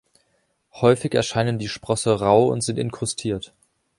Häufig erscheinen die Sprosse rau und sind inkrustiert.